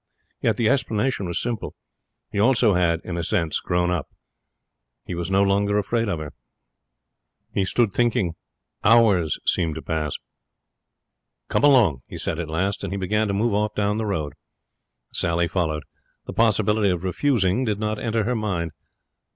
Yet the explanation was simple. He also had, in a sense, grown up. He was no longer afraid of her. He stood thinking. Hours seemed to pass. 'Come along!' he said, at last, and he began to move off down the road. Sally followed. The possibility of refusing did not enter her mind.